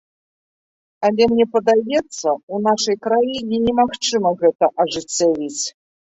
Але мне падаецца, у нашай краіне немагчыма гэта ажыццявіць.